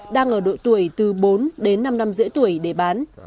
đang ở độ tuổi từ bốn đến năm năm rưỡi tuổi để bán